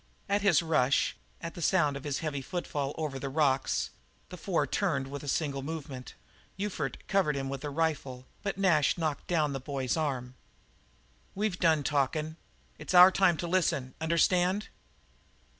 At his rush, at the sound of his heavy footfall over the rocks, the four turned with a single movement; Ufert covered him with a rifle, but Nash knocked down the boy's arm. "We've done talkin'; it's our time to listen; understand?"